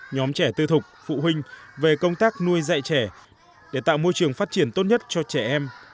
nhóm trẻ tư thục phụ huynh về công tác nuôi dạy trẻ để tạo môi trường phát triển tốt nhất cho trẻ em